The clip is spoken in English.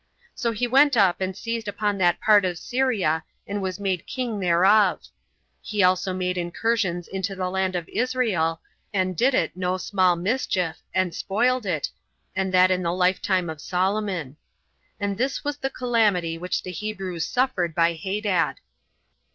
So he went up, and seized upon that part of Syria, and was made king thereof. He also made incursions into the land of Israel, and did it no small mischief, and spoiled it, and that in the lifetime of Solomon. And this was the calamity which the Hebrews suffered by Hadad.